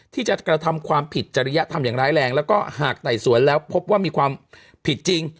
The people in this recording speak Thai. ที่จะกระทำความผิดจริยธรรมอย่างร้ายแรงแล้วก็หากไต่สวนแล้วพบว่ามีความผิดจริง